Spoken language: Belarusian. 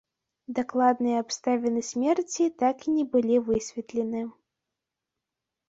Дакладныя абставіны смерці так і не былі высветлены.